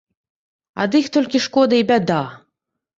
Ад іх толькі шкода і бяда.